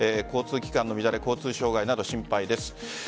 交通機関の乱れ交通障害など心配です。